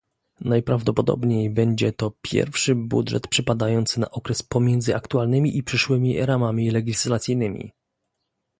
Najprawdopodobniej będzie to pierwszy budżet przypadający na okres pomiędzy aktualnymi i przyszłymi ramami legislacyjnymi